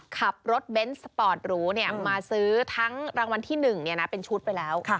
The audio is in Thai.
ขับรถเบนส์สปอร์ตหรูมาซื้อทั้งรางวัลที่๑เป็นชุดไปแล้ว